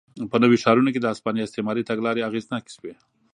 په نویو ښارونو کې د هسپانیا استعماري تګلارې اغېزناکې شوې.